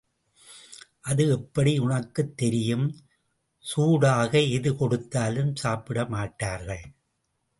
அது எப்படி உனக்குத் தெரியும்? சூடாக எது கொடுத்தாலும் சாப்பிட மாட்டார்கள்.